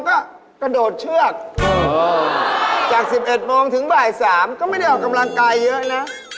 ยกเวทถึงประมาณ๑๖๐๐น